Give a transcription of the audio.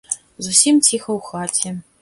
Зусім ціха ў хаце.